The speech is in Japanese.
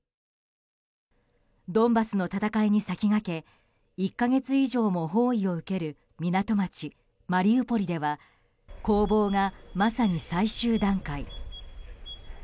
ドンバスの戦いに先駆け１か月以上も包囲を受ける港町マリウポリでは攻防がまさに最終段階。